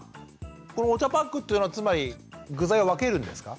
このお茶パックっていうのはつまり具材を分けるんですか？